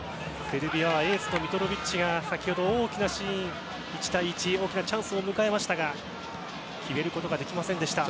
セルビアはエースのミトロヴィッチが先ほど１対１で大きなチャンスを迎えましたが決めることができませんでした。